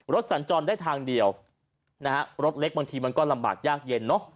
รถสันจรได้ทางเดียวรถเล็กบางทีมันก็ลำบากยากเย็น